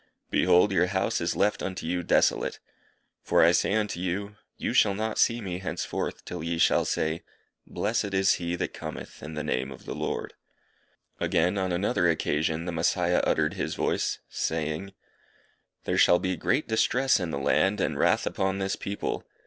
Behold, your house is left unto you desolate. For I say unto you, ye shall not see me henceforth till ye shall say, Blessed is He that cometh in the name of the Lord_." Again, on another occasion, the Messiah uttered his voice, saying "_There shall be great distress in the land, and wrath upon this people.